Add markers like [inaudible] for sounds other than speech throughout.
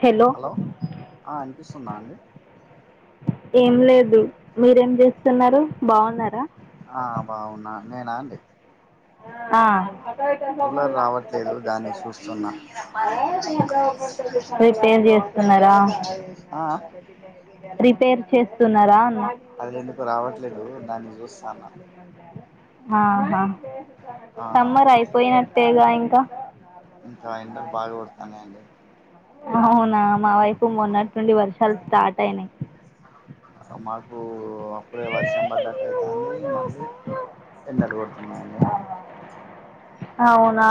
Hello అవునండి ఏం లేదు మీరేం చేస్తున్నారు బా ఆ బాగున్నా నేనా అండి ఆ కూలర్ రావట్లేదు దాన్ని చూస్తున్నా ప్రిపేర్ చేస్తున్నారా ఆ ఆ రిపేర్ చేస్తున్నారా అన్నా అది ఎందుకు రావట్లేదు దాన్ని చూస్తాన్న ఆహా ఆ సమ్మర్ అయిపోయినట్టేగా ఇకా ఎండలు బాగా కొడతానాయి అండి అవునా మా వైపు మొన్నటి నుండి వర్షాలు స్టార్ట్ అయినాయి మాకు అప్పుడే వర్షం పడ్డాట్ అయితాంది మళ్ళీ ఎండలు కొడుతున్నాయండి అవునా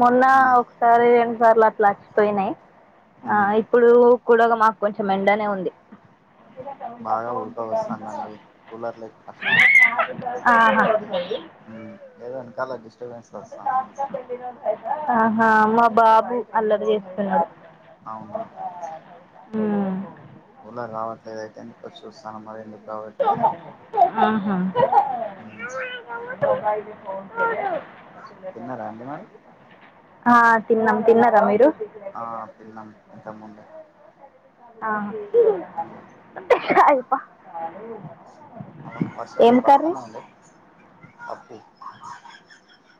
మొన్న ఉమ్ ఒకసారి రెండుసార్లు అట్లా అచ్చిపోయినాయి ఉమ్ ఇప్పుడు కూగా మాకు కొంచెం ఎండనే ఉంది బాగా ఉడకపోస్తానందండి కూలర్లు లేక్ కష్టమే ఆహా ఉమ్ ఏదో వెనకాల డిస్టర్బెన్స్ వస్తాందండి కొంచెం ఆహా మా బాబు అల్లరి చేస్తున్నాడు అవునా హ అట్లా రావట్లేదు అయితే ఎందుకొ చూస్తాను మరి ఎం ఆహా ఉమ్ తిన్నారా అండి మరి ఆ తిన్నాం తిన్నారా మీరు ఆ తిన్నాం ఇంతకు ముందే ఆ అయ్యప్ప అ పర్షాలలు బాడత్నాయండి పప్పు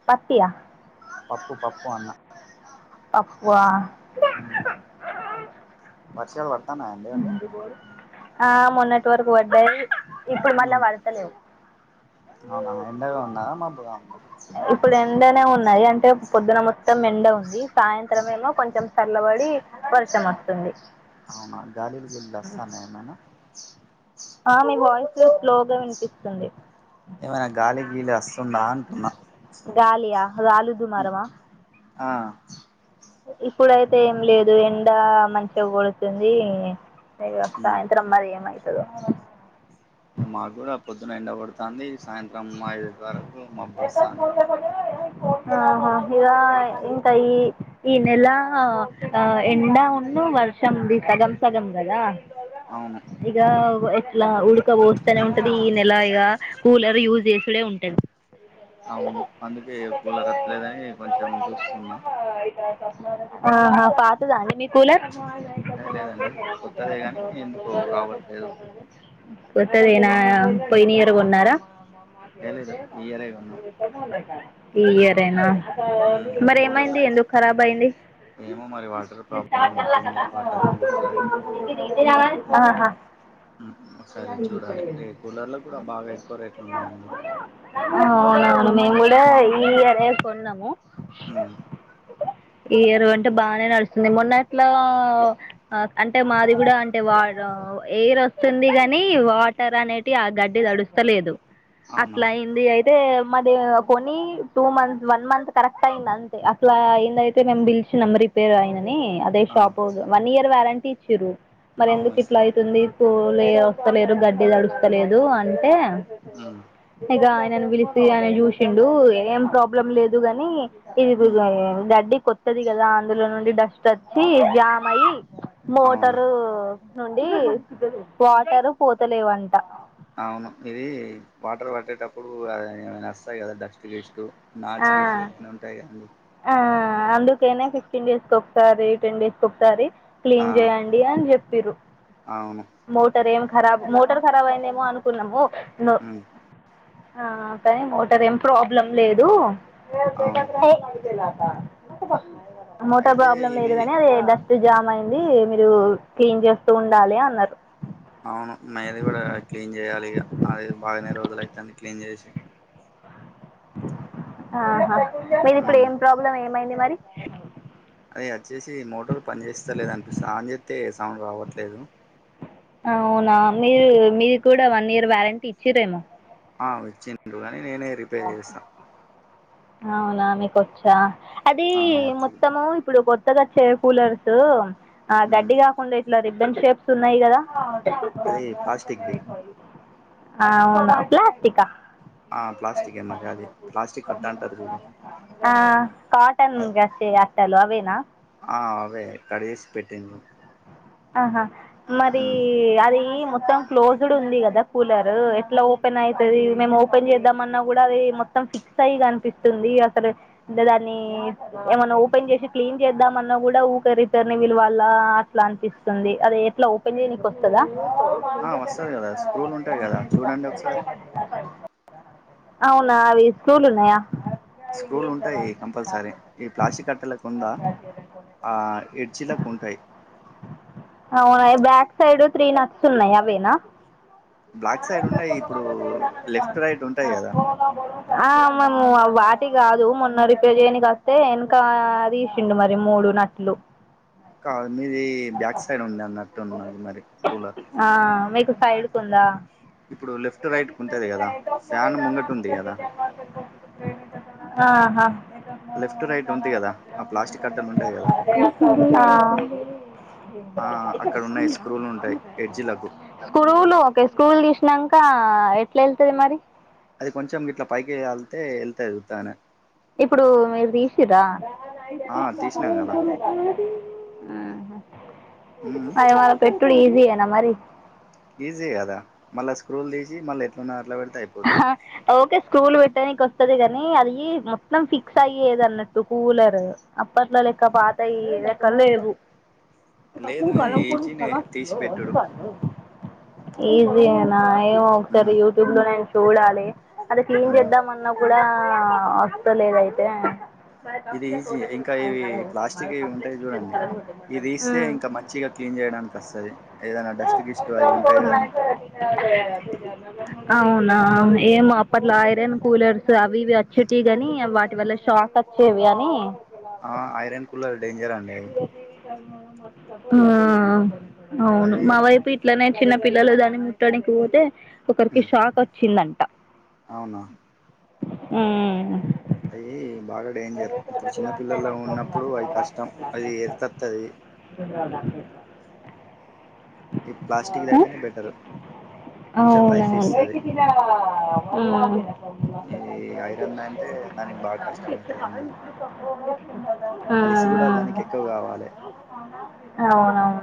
పత్యా పప్పు పప్పు అన్న పప్పుఆ ఉమ్, వర్షాలు పడతాన్నాయండి అటు ఆ మన్నట్ వర్క్ బడాయి ఆ అవునా ఎండగా ఉందా మబ్బుగా ఉందా ఇప్పుడు ఎండనే ఉన్నాయి అంటే పొద్దున మొత్తం ఎండ ఉంది సాయంత్రం ఏమో కొంచెం చల్లబడి వర్షం వస్తుంది గలీలు గిలిలు వస్తానయ ఏమైనా ఆ మీ వాయిస్ స్లోగా వినిపిస్తుంది ఏమైనా గాలి గీలి వస్తుందా అంటున్నా గాలియా గాలి దుమరామ ఆ ఇప్పుడయితే ఏం లేదు ఎండ మంచిగా కొడుతుంది ఇగ ఉమ్. సాయంత్రం మరి ఏమైతదో ఇక మాకు కూడా పొద్దున ఎండకొడతాంది సాయంత్రం ఐదు వరకు మబ్బోస్తంది ఆహా ఇగా ఇంక ఇ ఈ నెల ఆ ఎండా ఉం టు వర్షంది సగం సగం కదా అవును ఇగ ఇట్లా ఉడక పోస్తూనే ఉంటది ఈ నెలయిగా కూలర్ యూజ్ చేసుడే ఉంటది అవును అందుకే కూలర్ ఒతలేదని కొంచెం చూస్తున్నా ఆహా పాతదాన్నడీ మీ కూలర్ ఏ లేదండి కొత్తదే కానీ ఎందుకో రావట్లేదు కె త్తదేనా ఆ, పోయినియర్ కొన్నారా ఏ లేదు ఈ ఇయరే కొన్నాం ఈ ఇయర్యినా ఉమ్ మరి కూలర్లో ఏమైంది కూడా ఎందుకు కారాబాయింది ఏమో మరి వాటర్ ప్రాబ్లం ఎక్కువ ఉంది వాటర్ మోటర్ అది ఆహా ఒకసారి [unintelligible] ఉద్దు చూడాలి రే కూలర్లో కూడా బాగా ఎక్కువ రేట్లు ఉన్నాయండి ఉద్దు అవునవును మేము కూడా ఇ ఇయరే కొన్నాము హ్మ్ ఈ ఇయర్ కొంటె బానే నడుస్తుంది మొన్న ఎట్లా అంటే మాది కూడా అంటే వాడు ఎయిర్ వస్తుంది గాని వాటర్ అనేటి ఆ గడ్డి తడుస్తలేదు అవునా అట్లా అయింది అయితే మాది కొని two month one month correct అయింది అంతే అట్లా అయింది అయితే మే బిల్షిణం రిపేర్ ఆయిన అదే ఆ షాప్పోడు వన్ ఇయర్ వారంటీ ఇచ్చారు మరి అవును ఎందుకు ఇట్లా ఇస్తారు అతుంది లే వస్తలేరు గడ్డి తడుస్తలేదు అంటే ఉమ్ ఇంకా ఆయనను పిలిసి ఆయన చూసిండు ఏం ప్రాబ్లం లేదు గాని ఉమ్ [unintelligible] గడ్డి కొత్తది కదా అందులో నుండి డస్ట్ వచ్చి జామ్ అయిి అవునా మోటరు నుండి వాటరు పోతలేవంట అవును ఇది వాటర్ పట్టేటప్పుడు అ ఏమైనా వస్తాయి కదా డస్ట్ గీస్టు నాచ గీస్ ఏదైనా ఉంటాయి కదండి ఆహ్ అందుకేనే ఫిఫటీన్ డేస్కి ఒక సారి టెన్ డేస్ ఒకసారి ఆ క్లీన్ చేయండి అని చెప్పిండ్రు అవును మోటర్ ఏం కారబ్ మోటార్ ఖరాబ్ అయిందేమో అనుకున్నాము ను ఉమ్ ఆ కానీ మోటర్ ఏం ప్రాబ్లం లేదు అవును మోటో అయితే ప్రాబ్లం లేదు ఇది కానీ అది డస్ట్ జామ్ అయింది మీరు క్లీన్ చేస్తూ ఉండాలి అన్నారు అవును మాది కూడా క్లీన్ చేయాలి ఇక అది బాగానే రోజులు అయితాన్ని క్లీన్ చేసి ఆహా మీది ఇప్పుడు ఉమ్ ఏం ప్రాబ్లం ఏమైంది మరి అదే వచ్చేసి మోటార్ పని చేేస్తా లేద అనిపిస్తుంది అని చెతే సౌండ్ రావట్లేదు అవునా మీరు మీరు కూడా వన్ ఇయర్ వ్యారంటీ ఇచ్చిరేమో ఆ వచ్చిగాని నేనే రిపేర్ చేసా అవునా మీక వచ్చా అది ఆ వర్క్ది మొత్తము ఇప్పుడు కొత్తగా వచ్చే కూలర్సు ఆ ఉమ్ గడ్డి కాకుండా ఇట్లా రిబ్బండ్ షేప్స్ ఉన్నాయి కదా అది ప్లాస్టిక్దిి ఆ అవునా ప్లాసకా ఆ ప్లాస్టికే మరి అది ప్లాస్టిక్ కట్ట అంటారు చూడు ఆహ్ కటన్ బెడ్షీట్ ఆహ్ కట్టాలు అవేనా ఆ అవే కడదసి పెట్టింది ఆహా మరి అది మొత్తం క్లోజ్డ్ ఉంది కదా కూలర్ ఎట్లా ఓపెన్ అవుతది మేము ఓపెన్ చేద్దాం అన్నా కూడా అది మొత్తం ఫిక్స్ అయ్యగా అనిపిస్తుంది అస దాన్ని ఏమన్నా ఓపెన్ చేసి క్లీన్ చేద్దాంన్నా కూడా ఊ రిటర్న్ విలు అలా అట్లా అనిపిస్తుంది అద ఎట్లా ఓపెన్ చేయ నీకు వస్తుందా ఆ వస్తది కదా స్క్రూలు ఉంటాయి కదా చూడండి ఒకసారి అవునా అవి స్కూలున్నాయా స్క్రూలు ఉంటాయి కంపల్సరీ ఈ ప్లాస్టిక్ కట్టలకుంద ఆ ఎడ్జిలాలకు ఉంటాయి అవునాయి బ్యాక్ సైడ్ త్రీ నక్స్ ఉన్నాయి అవేనా బ్లాక్ సైడ్ ఉన్నాయి ఇప్పుడు లెఫ్ట్ రైట్ ఉంటాయి కదా ఆ మేము వాటి కాదు మొన్న రిపేర్ చేయనినికి వస్తే ఇనకా అది ఇసిండు మరి మూడు నాట్లు కాదు మీది బ్యాక్ సైడ్ ఉంది అన్నట్టు ఉన్నది మరి కూల సైడుకుందా లెఫ్ట్ ఎ రైట్ చిన్న ఉంటది కదా త ఎెట ఫ్యాన్ ముంగట మ ఉంది కా కదా క ప్రస ఆహా లెఫ్ట్ రైట్ ఉంది కదా ఆ ప్లాస్టిక్ కట్టలు ఉంటాయి కదా ఆహ్ ఆ అక్కడ ఉన్నాయి స్క్రూలు ఉంటాయి ఎడ్జిలకు స్కూలు ఓకే స్కూల్ ఇష్ట నాంక ఎట్లా వెళ్తది మరి అది కొంచెం ఇట్లా పైకి ఆళ్తే వెళ్తది ఉత్తగానే ఇప్పుడు మీరు తీసిరా ఆ తీసినాం కదా ఆ మ్మ్ అది మ పెట్టుడు ఈజీ నా మరి ఈజీ కదా మళ్ళా స్క్రూలు తీసి మళ్ళీ ఎట్లున్న అట్లా పెడి ఆహ్ ఓక స్కూల్ పెట్టడానికి వస్తది కాని అది మొత్తం ఫిక్స్ అయ్యేది అన్నట్టు కూలర్ అప్పట్లో లెక్క పాతయి ఏదక్క లేవు లేదు కకుడు ఇది కరం కొ ఈజీనే చలా తీసి అది పెట్టుడు కారు ఈజీనా ఏమో ఒకసారి మ్మ్ యూట్యూబ్ లో నేను చూడాలి అది క్లీన్ మ్మ్ చేద్దామ అన్న కూడా వస్తలేదయితే ఇది ఈజీ ఇంకా ఇవి ప్లాస్టిక్ ఇవి ఉంటాయి చూడండి ఇది తీస్తే ఇంకా మంచిగా క్లీన్ ఉ చేయడానికి వస్తది ఏదైనా డస్ట్ గిస్ట్ అవి ఉంటాయి కదా అవు నా ఏమో అప్పట్లో ఐరన్ కూలర్స్ అవి ఇవి వచ్చేటివి కాని వాటి వల్ల షాక్ వచ్చేవి గాని ఆ ఐరన్ కులర్ డేంజర్ అండి ఆ అవును అది మా వైపు ఇట్లనే చిన్న పిల్లలు దాన్ని ముట్టడానికి పోతే ఒకరికి ఉమ్ షాక్ వచ్చిందండి అవునా ఉ అయ బాగా డేంజర్ ఇప్పుడు చిన్న పిల్లల్లో ఉన్నప్పుడు అది కష్టం అది ఎతతుది ఉ ఈ ప్లాస్టిక్ ద అయితేనే బెటరు అవును ఈ ఐరన్ అంటే దానికి బాగా కష్టం ఉ అయితదండి ఉ ఎకువ కావాలి అవునవును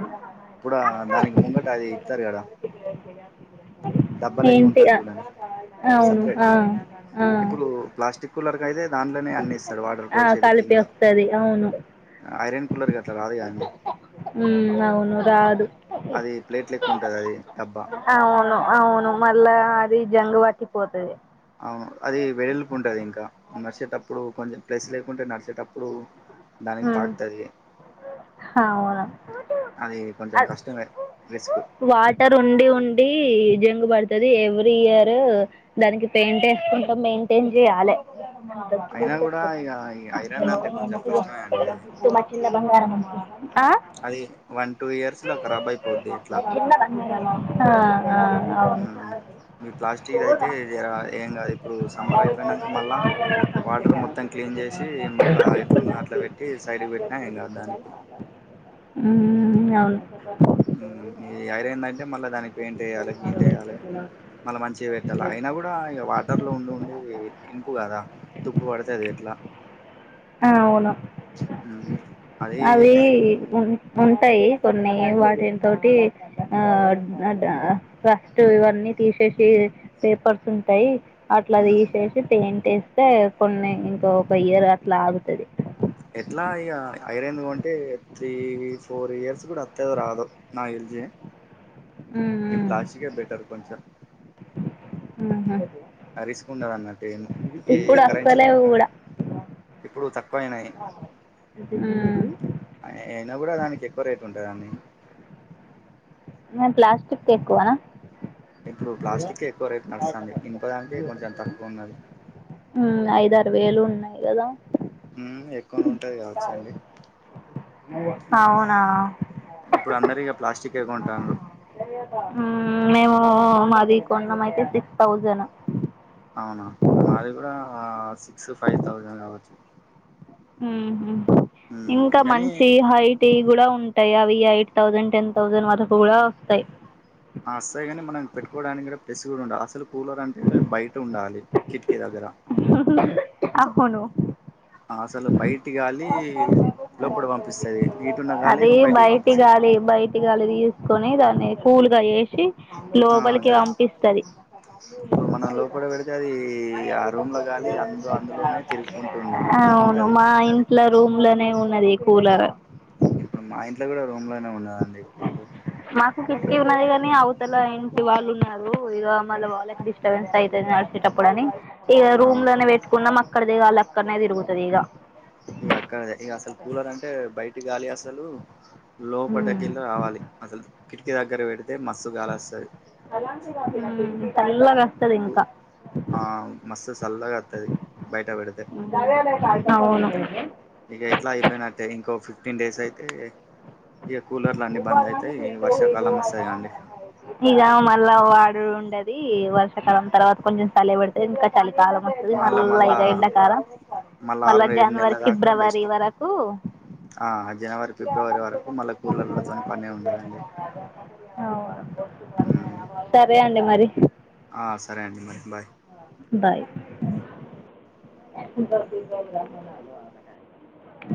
ఇప్పుడు దానికి ముంగట అది ఇస్తారు కద డబ్బ లెక్క ఏంటి ఉంటది ఆ, చూడండి అవును సపరేట్ ఆ ఆ ఇప్పుడు ప్లాస్టిక్ కులర్ అయితే దాంలోనే అన్నిస్తాడు వాటర్ ఆ పోషేది కలిపి కింద వస్తది అవును ఐరన్ కూలర్ గట్ల రాదుగా అండి ఉమ్, అవును రాదు అది ప్లేట్ల ఎక్కువ ఉంటంది అది డబ్బా అవును అవును మళ్ళా అది జంగు పట్టిపోతుది అవును అది వెలుల్పు ఉంటది ఇంకా న ఆప్పుడు కొంచెం ప్లేస్ లేకుంటే నడిచేటప్పుడు దానికి తాకుతుంది హా అవునా ఆ కొంచెం కష్టమే రిస్క్ వాటర్ ఉండి ఉండి జం గు పడుతది ఎవ్రీ ఇయర్ దానికి పెయింట్ వేసుకుంటా మెయింటైన్ చేయాలి అయినా కూడా ఇగ ఐరన్ అంటే కొంచెం కష్టమే అండి అది ఆ అది వన్ టూ ఇయర్స్ ల కరాబ్ అయిపోద్ది ఎట్లా ఆ ఆ అవును మ్ మీ ప్లాస్టిక్ అయితే ఏం ఇప్పుడు సమ్మర్ అయిపోయినాక మళ్ళా వాటర్ మొత్తం క్లీన్ చేసి మళ్ళా ఎట్లున్నదో అట్లా పెట్ మ్ అవును మ్ ఈ ఐరన్ దయితె మళ్ళ దానికి పెంటేయాలె గింటేయలే మళ్ళీ మంచిగా పెట్టాలి అయినా కూడా ఇగ వాటర్ లో ఉండి ఉండి ఇనుము కదా తుప్పు పడుతది ఎట్లా అవును మ్మ్ అది అవి మ్యాగ్ ఉన్ ఉం టాయి కొన్ని వాటితోటి ఆ అ ఫస్ట్ ఇవన్నీ తీసే సి పేపర్స్ ఉంటాయి అట్లా మ్మ్ తీసేసి పెయింటేస్తే కొన్ని ఇంక ఒక ఇయర్ అట్లా ఆగుతది ఎట్లా ఇగ ఐరన్ ది కొంటే త్రీ ఫోర్ ఇయర్స్ కూడా ఓత్తదో రాదో నాకు తెలిసి ఈ ప్లాస్టికే బెటర్ కొంచెం ఆహా ఆ రిస్క్ ఉండదన్నట్టు ఇనుము ఈ ఇప్పుడు కరెన్ వస్తలేవు కూడా ఇప్పుడు తక్కువయినాయి అయినా కూడా దానికి ఎక్కువ రేట్ ఉంటదండి మరి ప్లాస్టిక్ కేేక్కువనా ఇప్పుడు ప్లాస్టిక్ ఎక్కువ రేటు నడుస్తది ఇనుప దానికి కొంచెం తక్కువ ఉన్నది మ్ ఐయిదరు వేలు ఉన్నాయి కదా మ్ ఎక్కువ నే ఉంటాది కావచ్చు అండి అవునా ఇప్పుడు అందరిగా ప్లాస్టిక్ మ్ మేము మ్ మాది కొన్నం అయితే సిక్స్ థౌజండ్ అవునా మాది కూడా సిక్స్ ఫైవ్ థౌజండ్ కావచ్చు మ్ హు ఉమ్, ఇంకా కానీ మంచి యి హైట్యి కూడా ఉం టయి అవి ఎయిట్ థౌజండ్ టెన్ థౌజండ్ వరకు కుడా వస్తాయి రెస్ కూడా ఉండాలి అసలు కూలర్ అంటే బయట ఉండాలి కిటికీ దగ్గర అవును అసలు బయటి గాలి లోపల పంపిస్తది ఇటున్న గాలి అది బయటికి బయటి పంపిస్తది గాలి బయటి గాలి తీసుకొని దా ని కూల్గా చేసి ఆ లోపలికి అది పంపిస్తది ఇప్పుడు మనం లోపల పెడితే అది ఆ రూమ్ల గాలి అందు అందులోనే తిరుగుకుంటుంది ఉంటది రూమ్ లోనే ఉన్నది కూలర్ ఇప్పుడు మా ఇంట్ల కూడా రూమ్ లనే ఉన్నదం మాకు కిటికీ ఉన్నాదిగాని అవ్ తలా ఇంటి వాళ్ళు ఉన్నారు ఇగ మళ్ళ వాళ్ళకి డిస్టర్బెన్స్ అయితది నడిసేటప్పుడు అని ఇగ ఆ రూమ్ లోనే పెట్టుకున్నాం అక్కది అలా అక్కన్నే తిరుగుతది ఇగ ఇగ అక్కడ ఇగ అసలు కూలర్ అంటే బయటి గాలి అసలు మ్మ్ లోపటకేలీ రావాలి అసలు కిటికీ దగ్గర పెడ్ మ్ చల్లగా వస్తది ఇంకా ఆ మస్ చల్లగా వస్తది బయట పెడితే అవును ఇగ ఎట్లా అయిపోయినట్టే ఇంకో ఫిఫ్టీన్ డేస్ అయితే ఇక కూలర్లు అన్నీ బంద్ అయితాయి వర్షాకాలం వస్తాయి అండి ఇలా మళ్ళా వాడు అది వర్షాకాలం తర్వాత కొంచెం చలే పెడితే ఇంకా చాలి కలమోస్తది మళ్ళా మల్ళ మళ్ళా ఇక ఎండాకాలం మళ్ళా ఆరు ఏడు జనవరి నెలల దాకా ఫిబ్రవరి బెస్ట్ వరకు ఆ జనవరి ఫిబ్రవరి వరకు మళ్ళా కూళ్లలతోని పనే ఉండదండి అ ఉమ్, సరే అండి మరి ఆ సరే అండి మరి బాయ్ బాయ్ [unintelligible]